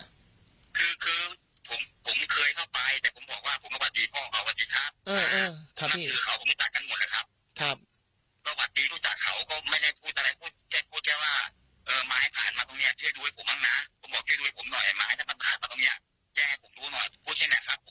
ตอนนี้แกให้ผมจะจแก่การทำวันใหม่ใช่ไหมครับ